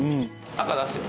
赤出すよ。